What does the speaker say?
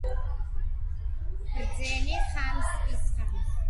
ბრძენი ხამს ისხამს